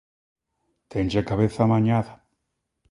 Tenche a cabeza amañada!